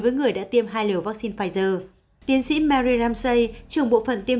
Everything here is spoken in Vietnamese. với người đã tiêm hai liều vaccine pfizer tiến sĩ mary ramsey trưởng bộ phận tiêm